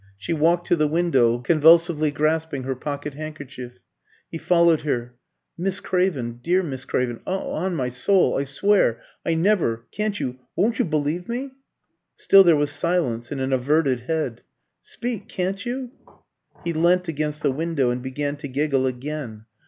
She walked to the window, convulsively grasping her pocket handkerchief. He followed her. "Miss Craven dear Miss Craven on my soul I swear I never Can't you won't you believe me?" Still there was silence and an averted head. "Speak, can't you!" He leant against the window and began to giggle again.